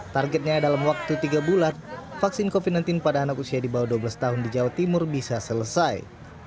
targetnya dalam waktu tiga bulan vaksin covid sembilan belas pada anak usia di bawah dua belas tahun di jawa timur bisa selesai